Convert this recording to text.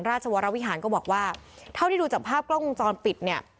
ราชวรวิหารก็บอกว่าเท่าที่ดูจากภาพกล้องวงจรปิดเนี่ย